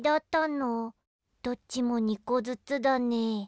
どっちも２こずつだね。